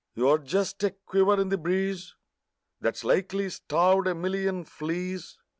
You're jest a quiver in the breeze That's likely starved a million fleas.